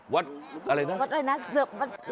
วัดอะไรน่ะวัดอะไรน่ะเสริฟวัด